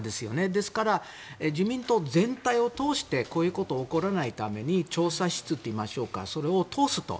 ですから、自民党全体を通してこういうことが起こらないために調査室といいましょうかそれを通すと。